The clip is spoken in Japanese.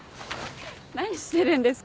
何してるんですか？